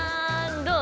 どう？